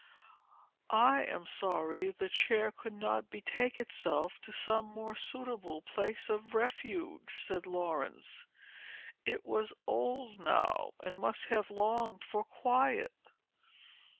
"I am sorry the chair could not betake itself to some more suitable place of refuge," said Laurence. "It was old now, and must have longed for quiet.